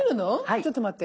ちょっと待って。